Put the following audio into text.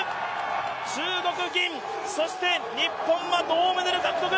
中国、銀、そして日本は銅メダル獲得！